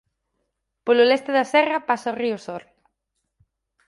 Polo leste da serra pasa o río Sor.